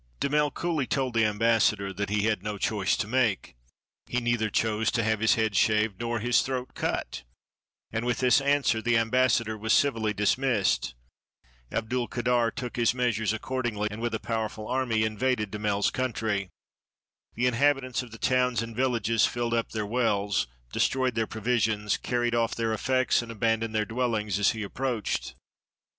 Damel coolly told the ambassador that he had no choice to make — he neither chose to have his head shaved nor his throat cut; and with this answer the ambassador was civilly dismissed. Abdulkader took his measures accordingly, and with a powerful army invaded Damel's country. The inhabitants of the towns and villages filled up their wells, destroyed their provisions, carried oft" their effects, and abandoned their dwellings, as he approached.